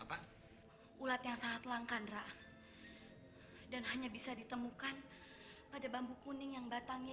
apa ulat yang sangat langka dan hanya bisa ditemukan pada bambu kuning yang batangnya